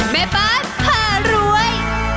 แม่บ้านผ่ารวย